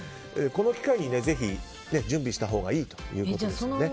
この機会にぜひ準備したほうがいいと思いますね。